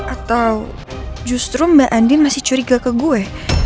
atau justru mbak andin masih curiga ke gue